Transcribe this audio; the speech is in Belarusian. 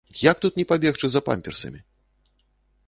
Як тут не пабегчы за памперсамі!